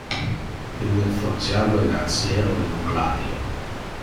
Ille forgiava le aciero in un gladio.